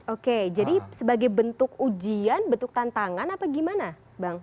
oke jadi sebagai bentuk ujian bentuk tantangan apa gimana bang